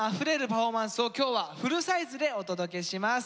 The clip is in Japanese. パフォーマンスを今日はフルサイズでお届けします。